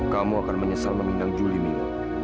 kamu akan menyesal meminang juli mil